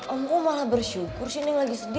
om kok malah bersyukur sih ini yang lagi sedih